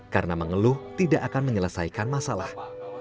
karena mengeluh tidak akan menyelesaikan masalah